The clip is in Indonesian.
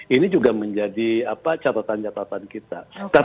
ini juga menjadi catatan catatan kita